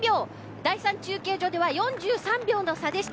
第３中継所では４３秒の差でした。